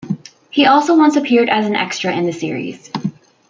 He also once appeared as an extra in the series.